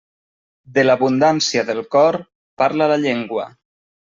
De l'abundància del cor, parla la llengua.